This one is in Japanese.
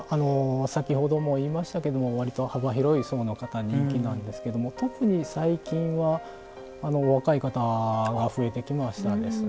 先ほども言いましたけども割と幅広い層の方に人気なんですけども特に最近は若い方が増えてきましたですね。